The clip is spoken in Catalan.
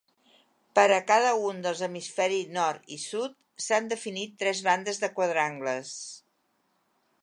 Per a cada un dels hemisferis nord i sud s'han definit tres bandes de quadrangles.